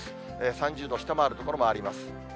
３０度下回る所もあります。